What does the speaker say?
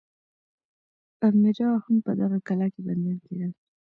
امرا هم په دغه کلا کې بندیان کېدل.